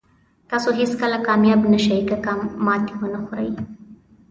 تاسو هېڅکله کامیاب نه شئ که ماتې ونه خورئ.